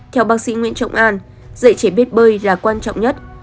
theo bác sĩ nguyễn trọng an dạy trẻ biết bơi là quan trọng nhất